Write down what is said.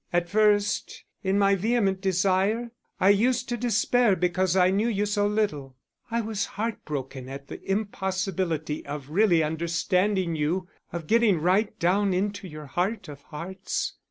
At first in my vehement desire, I used to despair because I knew you so little; I was heartbroken at the impossibility of really understanding you, of getting right down into your heart of hearts.